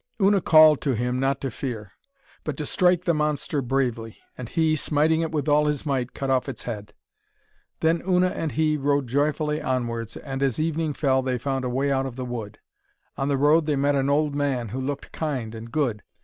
Una called to him not to fear, but to strike the monster bravely. And he, smiting it with all his might, cut off its head. Then Una and he rode joyfully onwards, and, as evening fell, they found a way out of the wood. On the road they met an old man who looked kind and good.